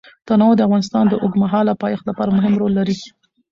تنوع د افغانستان د اوږدمهاله پایښت لپاره مهم رول لري.